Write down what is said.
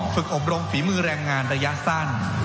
ฝึกอบรมฝีมือแรงงานระยะสั้น